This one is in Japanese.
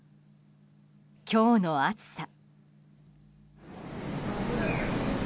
今日の暑さ。